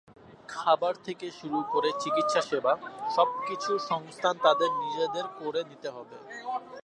খাবার থেকে শুরু করে চিকিৎসাসেবা, সবকিছুর সংস্থান তাঁদের নিজেদের করে নিতে হবে।